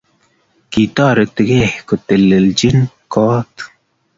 Kitaretigei ketelelchinii kot